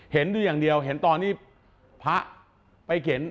เห็นอย่างเดียวเห็นตอนนี้พระไปเข็น